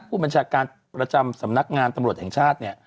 ผู้บัญชาการประจำสำนักงานตำรวจแห่งชาติเนี่ย